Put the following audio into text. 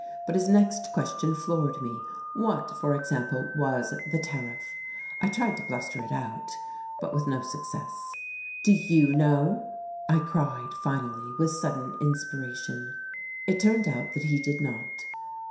But his next question floored me. What, for example, was the Tariff? I tried to bluster it out, but with no success. "Do you know?" I cried finally, with sudden inspiration. It turned out that he did not.